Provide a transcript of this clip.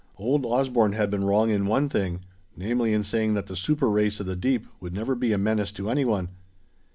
Old Osborne had been wrong in one thing, namely in saying that the super race of the deep would never be a menace to anyone.